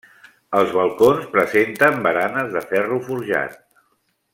Els balcons presenten baranes de ferro forjat.